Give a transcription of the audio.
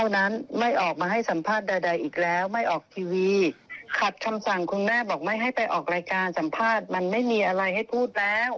ว่าแย่งแม่พูด